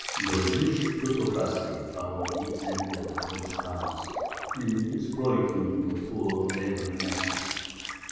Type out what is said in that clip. The Jewish plutocracy followed the example of the Polish pans in exploiting the poor laboring masses.